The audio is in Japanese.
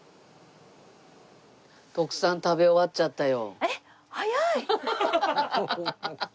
徳さん食べ終わっちゃったよ。